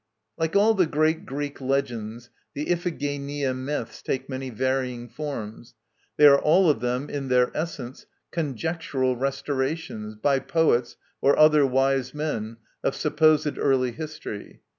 Like all the great Greek legends, the Iphigenia myths take many varying forms. They are all of them, in their essence, conjectural restorations, by poets or other 'wise men,' of supposed early history.